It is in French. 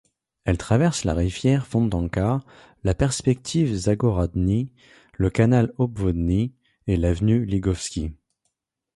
Elle traverse la rivière Fontanka, la perspective Zagorodni, le canal Obvodny, et l'avenue Ligovski.